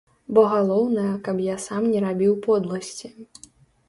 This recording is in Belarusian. Бо галоўнае, каб я сам не рабіў подласці.